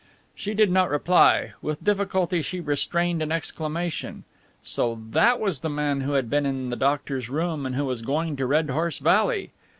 She did not reply. With difficulty she restrained an exclamation. So that was the man who had been in the doctor's room and who was going to Red Horse Valley!